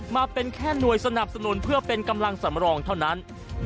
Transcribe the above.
มาเป็นแค่หน่วยสนับสนุนเพื่อเป็นกำลังสำรองเท่านั้น